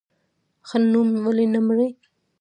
ښه نوم ولې نه مري؟